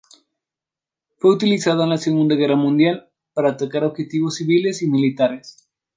Fue utilizado en la Segunda Guerra Mundial para atacar objetivos civiles y militares.